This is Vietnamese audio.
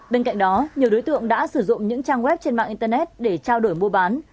bên cạnh đó nhiều đối tượng đã sử dụng những trang web trên mạng internet để trao đổi mua bán